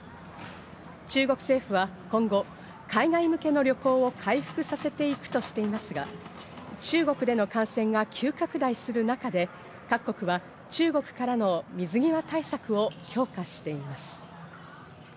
中国政府は今後、海外向けの旅行を回復させていくとしていますが、中国での感染が急拡大する中で各国は中国からの水際対策を強化しています。